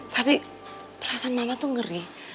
tapi perasaan mama tuh ngeri